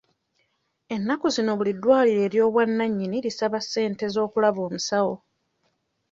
Ennaku zino buli ddwaliro ery'obwannannyini lisaba ssente z'okulaba omusawo.